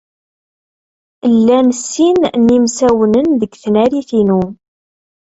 Llan sin n yimsawnen deg tnarit-inu.